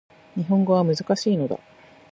日本語は難しいのだ